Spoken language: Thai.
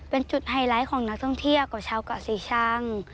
เป็นจุดไฮไลท์ของนักท่องเที่ยวกว่าชาวเกาะศรีชัง